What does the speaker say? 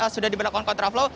sudah di belakang kontra flow